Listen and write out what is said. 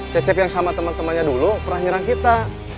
cecep yang sama teman temannya dulu pernah nyerang kita